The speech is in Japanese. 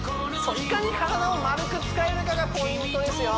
いかに体を丸く使えるかがポイントですよ